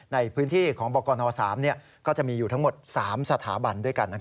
ในพื้นที่ของบกน๓ก็จะมีอยู่ทั้งหมด๓สถาบันด้วยกัน